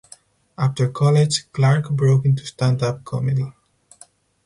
After college, Clark broke into stand-up comedy.